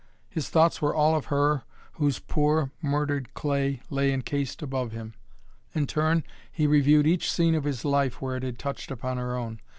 His thoughts were all of her whose poor, murdered clay lay encased above him. In turn he reviewed each scene of his life where it had touched upon her own.